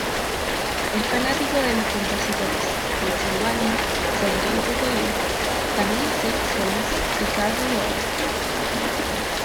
Es fanático de los compositores Richard Wagner, Sergei Prokofiev, Camille Saint-Saëns y Carl Orff.